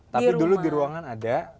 tapi dulu di ruangan ada